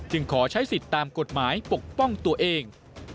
ขอใช้สิทธิ์ตามกฎหมายปกป้องตัวเอง